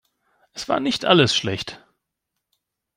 Es war nicht alles schlecht.